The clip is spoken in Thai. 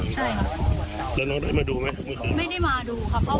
แต่งว่าตอนที่เขากลับไปอยู่ทีใดให้เขาพามาเขาไม่พามา